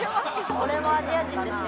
これもアジア人ですよ。